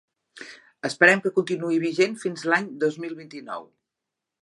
Esperem que continuï vigent fins l'any dos mil vint-i-nou.